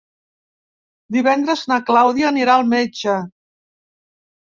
Divendres na Clàudia anirà al metge.